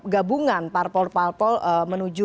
gabungan parpol parpol menuju